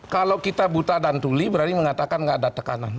kalau kita buta dan tuli berani mengatakan nggak ada tekanan